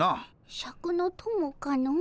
シャクの友かの？